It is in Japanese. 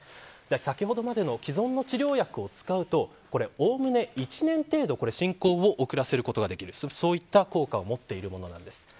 先ほどまでの既存の治療薬を使うとおおむね１年程度進行を遅らせることができる効果を持っているものです。